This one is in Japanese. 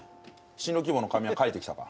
進路希望の紙は書いてきたか？